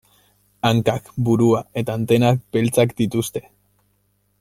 Hankak, burua eta antenak beltzak dituzte.